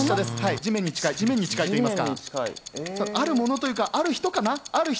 地面に近いといいますか、あるものというか、ある人かな。